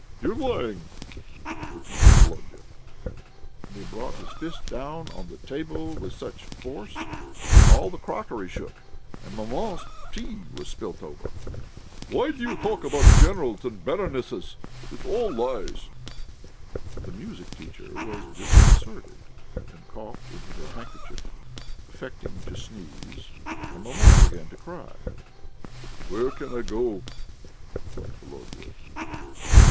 "You are lying," repeated Volodya; and he brought his fist down on the table with such force that all the crockery shook and maman's tea was spilt over. "Why do you talk about generals and baronesses? It's all lies!" The music teacher was disconcerted, and coughed into her handkerchief, affecting to sneeze, and maman began to cry. "Where can I go?" thought Volodya.